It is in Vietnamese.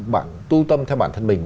bạn tu tâm theo bản thân mình